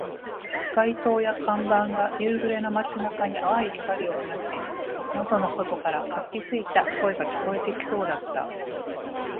街灯や看板が夕暮れの街中に淡い光を放ち、窓の外から活気付いた声が聞こえてきそうだった